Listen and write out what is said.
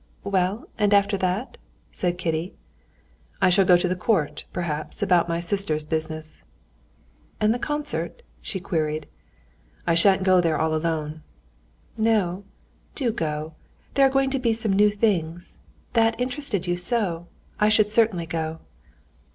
Well, and after that?" said Kitty. "I shall go to the court, perhaps, about my sister's business." "And the concert?" she queried. "I shan't go there all alone." "No? do go; there are going to be some new things.... That interested you so. I should certainly go."